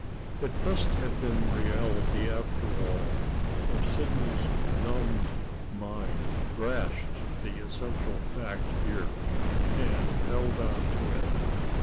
It must have been reality, after all; for Sidney's numbed mind grasped the essential fact here, and held on to it.